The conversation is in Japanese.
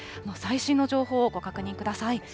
最新の情報をご確認ください。